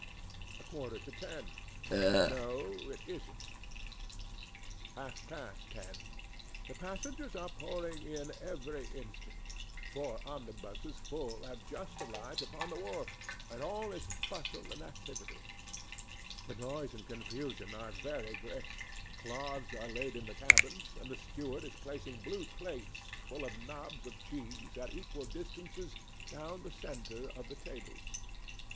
'A quarter to ten. 'NO, it isn't.' 'Half past ten. 'THE passengers are pouring in every instant. Four omnibuses full have just arrived upon the wharf, and all is bustle and activity. The noise and confusion are very great. Cloths are laid in the cabins, and the steward is placing blue plates—full of knobs of cheese at equal distances down the centre of the tables.